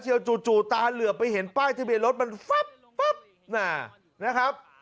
เชียวจู่จู่ตาเหลือไปเห็นป้ายที่มีรถมันป๊อบป๊อบนะครับ